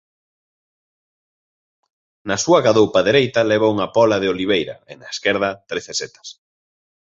Na súa gadoupa dereita leva unha pola de oliveira e na esquerda trece setas.